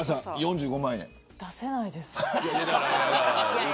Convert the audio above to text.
出せないです。